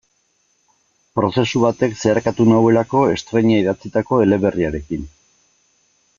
Prozesu batek zeharkatu nauelako estreina idatzitako eleberriarekin.